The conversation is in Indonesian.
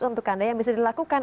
untuk anda yang bisa dilakukan